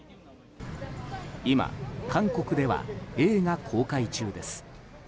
今、韓国では映画公開中です。